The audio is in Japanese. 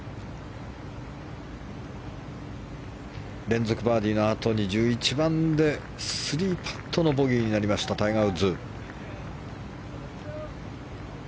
連続バーディーのあとに１１番で３パットのボギータイガー・ウッズ。